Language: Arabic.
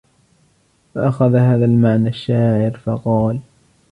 فَأَخَذَ هَذَا الْمَعْنَى الشَّاعِرُ فَقَالَ